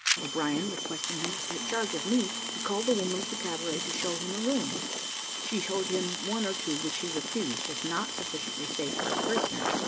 O'Brien requesting him to take charge of me, he called the woman of the cabaret to show him a room; she showed him one or two, which he refused, as not sufficiently safe for the prisoner.